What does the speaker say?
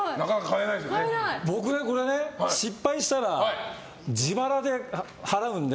僕ね、これね失敗したら自腹で払うので。